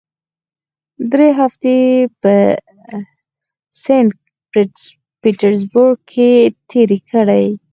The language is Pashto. درې هفتې یې په سینټ پیټرزبورګ کې تېرې کړې.